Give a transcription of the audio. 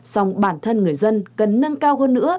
xong bản thân người dân cần nâng cao hơn nữa